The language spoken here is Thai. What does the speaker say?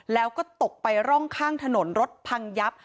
แล้วก็ตกไปร่องข้างถนนรถพังยับ